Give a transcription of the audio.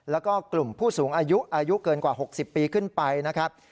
แล้วก็กลุ่มผู้สูงอายุอายุเกินกว่า๖๐ปีขึ้นไปนะครับ